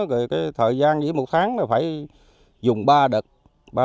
rồi cái thời gian nghỉ một tháng là phải dùng ba đợt